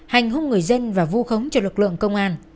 hành hung người dân và vu khống cho lực lượng công an